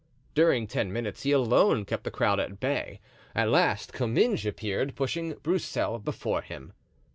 During ten minutes he alone kept the crowd at bay; at last Comminges appeared, pushing Broussel before him.